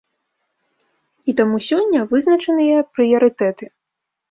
І таму сёння вызначаныя прыярытэты.